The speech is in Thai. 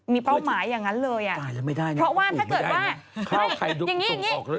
มีเป้าหมายอย่างนั้นเลยอ่ะเพราะว่าถ้าเกิดว่าอย่างนี้